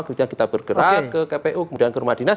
kemudian kita bergerak ke kpu kemudian ke rumah dinas